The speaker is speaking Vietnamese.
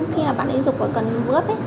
khi bạn ấy rụt vào cần bước